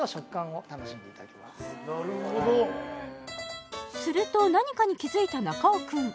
なるほどすると何かに気づいた中尾くん